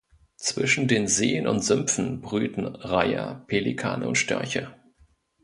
Zwischen den Seen und Sümpfen brüten Reiher, Pelikane und Störche.